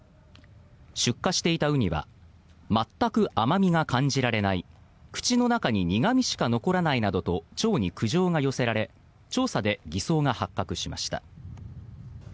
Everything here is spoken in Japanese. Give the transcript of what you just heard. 出荷していたウニは全く甘味が感じられない口の中に苦味しか残らないなどと町に苦情が寄せられ調査で偽装が発覚しました。